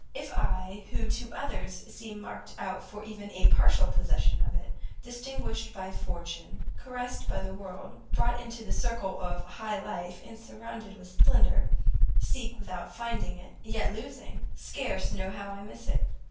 If I, who, to others, seem marked out for even a partial possession of it, distinguished by fortune, caressed by the world, brought into the circle of high life, and surrounded with splendour, seek without finding it, yet losing, scarce know how I miss it!"